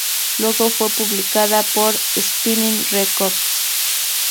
Luego fue publicada por Spinnin' Records.